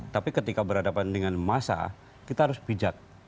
tapi ketika berhadapan dengan massa kita harus bijak